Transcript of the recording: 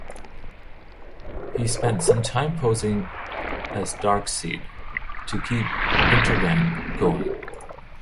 He spent some time posing as Darkseid to keep Intergang going.